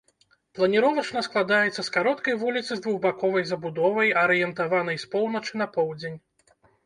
Планіровачна складаецца з кароткай вуліцы з двухбаковай забудовай, арыентаванай з поўначы на поўдзень.